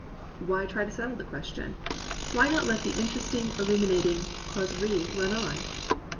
Why try to settle the question.'* WTiy not let the interesting, illu minating causerie run on?